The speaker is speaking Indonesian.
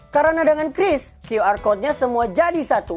karena dengan kris qr codenya semua jadi satu